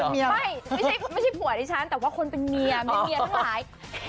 ไม่ใช่ไม่ใช่ผัวดิฉันแต่ว่าคนเป็นเมียมีเมียทั้งหลาย